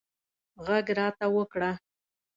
غږ راته وکړه